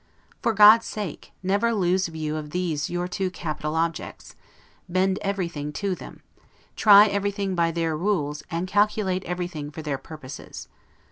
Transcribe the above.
For God's sake, never lose view of these two your capital objects: bend everything to them, try everything by their rules, and calculate everything for their purposes.